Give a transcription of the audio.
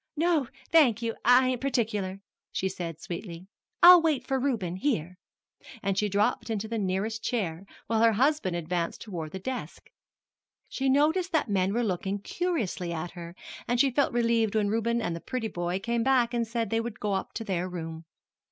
"No, thank you, I ain't particular," said she sweetly; "I'll wait for Reuben here." And she dropped into the nearest chair, while her husband advanced toward the desk. She noticed that men were looking curiously at her, and she felt relieved when Reuben and the pretty boy came back and said they would go up to their room.